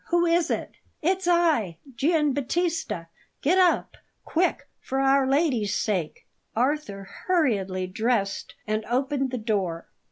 Who is it?" "It's I, Gian Battista. Get up, quick, for Our Lady's sake!" Arthur hurriedly dressed and opened the door.